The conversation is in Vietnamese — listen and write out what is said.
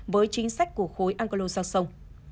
với chính sách của khối anglo saxon